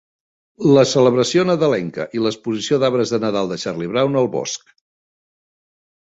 La celebració nadalenca i l'exposició d'arbres de nadal de Charlie Brown al bosc.